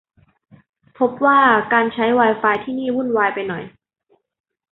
พบว่าการใช้ไวไฟที่นี่วุ่นวายไปหน่อย